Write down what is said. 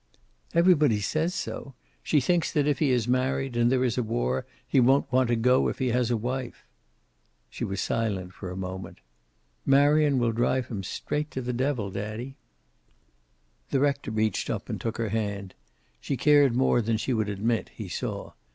"Everybody says so. She thinks that if he is married, and there is a war, he won't want to go if he has a wife." She was silent for a moment. "Marion will drive him straight to the devil, daddy." The rector reached up and took her hand. She cared more than she would admit, he saw.